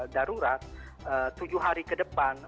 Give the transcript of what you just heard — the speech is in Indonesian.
darurat tujuh hari ke depan